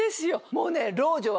もうね老女はね。